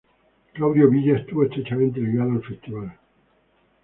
Claudio Villa estuvo estrechamente ligado al Festival.